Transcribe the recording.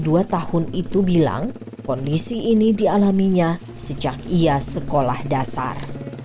dua tahun itu bilang kondisi ini dialaminya sejak ia sekolah dasar